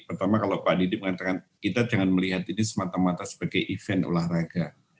pertama kalau pak didi mengatakan kita jangan melihat ini semata mata sebagai event olahraga